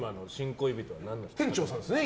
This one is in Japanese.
店長さんですよね